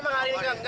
yang dari gubernur